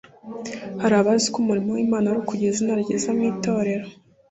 hari abazi ko umurimo w’Imana ari ukugira izina ryiza mu itorero